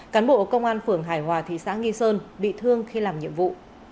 cán bộ công an phường hải hòa thị xã nghi sơn bị thương khi làm nhiệm vụ